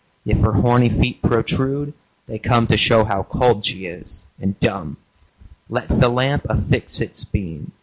If her horny feet protrude, they come To show how cold she is, and dumb. Let the lamp affix its beam.